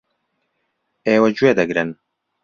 ئێوە گوێ دەگرن.